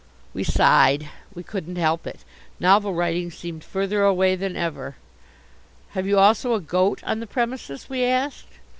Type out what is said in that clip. We sighed. We couldn't help it. Novel writing seemed further away than ever. "Have you also a goat on the premises?" we asked.